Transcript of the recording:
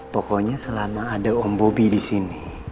pokoknya selama ada om bobi disini